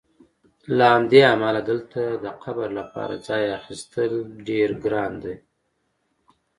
له همدې امله دلته د قبر لپاره ځای اخیستل ډېر ګران دي.